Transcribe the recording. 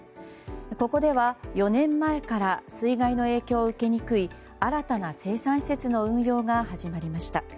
ここでは４年前から水害の影響を受けにくい新たな生産施設の運用が始まりました。